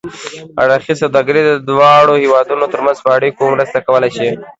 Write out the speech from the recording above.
اړخیزه سوداګري د دواړو هېوادونو ترمنځ په اړیکو کې مرسته کولای شي.